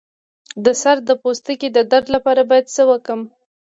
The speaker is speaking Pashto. د سر د پوستکي د درد لپاره باید څه وکړم؟